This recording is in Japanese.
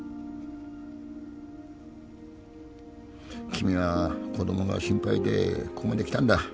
君は子供が心配でここまで来たんだ。